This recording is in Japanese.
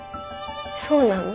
そうなの？